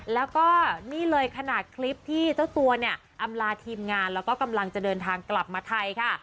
แล้วก็นี่เลยขนาดคลิปที่เจ้าตัวเนี่ยอำลาทีมงานแล้วก็กำลังจะเดินทางกลับมาไทยค่ะ